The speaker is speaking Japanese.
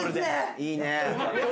いいね。